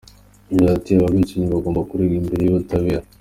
Yagize ati “Aba bicanyi bagomba kugezwa imbere y’ubutabera.